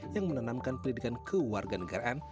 yang menenamkan pendidikan kewarganegaraan